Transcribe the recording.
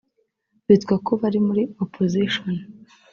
bitwa ko bari muri opposition